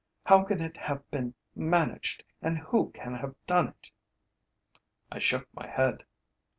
How can it have been managed, and who can have done it?" I shook my head.